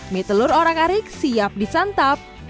mie telur orak arik siap disantap